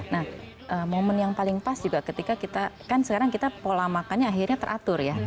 nah momen yang paling pas juga ketika kita kan sekarang kita pola makannya akhirnya teratur ya